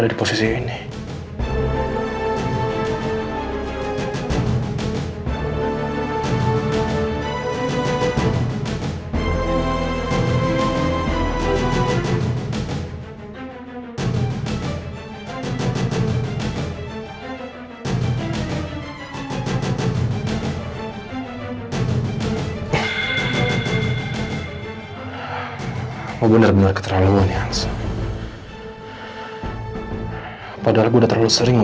tapi kenapa gue ngerasa diikutin ya